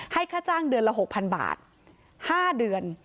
ค่าจ้างเดือนละ๖๐๐๐บาท๕เดือน